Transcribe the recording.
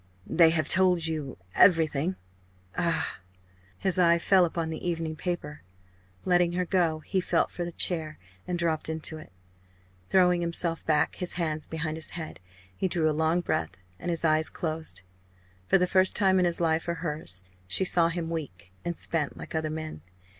"They have told you everything? Ah! " His eye fell upon the evening paper. Letting her go, he felt for a chair and dropped into it. Throwing himself back, his hands behind his head, he drew a long breath and his eyes closed. For the first time in his life or hers she saw him weak and spent like other men.